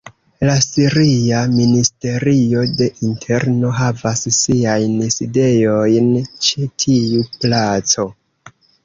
La Siria Ministerio de Interno havas siajn sidejojn ĉe tiu placo.